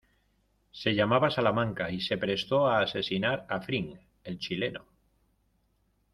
Se llamaba Salamanca y se prestó a asesinar a Fring, el chileno.